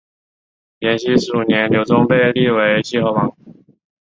延熙十五年刘琮被立为西河王。